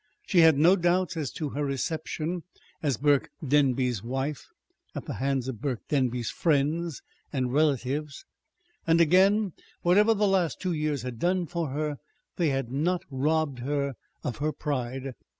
She had no doubts as to her reception, as Burke Denby's wife, at the hands of Burke Denby's friends and relatives. And again, whatever the last two years had done for her, they had not robbed her of her pride.